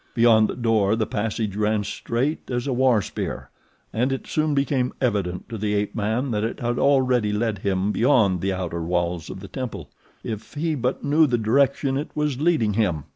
Beyond the door the passage ran straight as a war spear, and it soon became evident to the ape man that it had already led him beyond the outer walls of the temple. If he but knew the direction it was leading him!